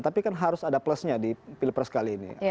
tapi kan harus ada plusnya di pilpres kali ini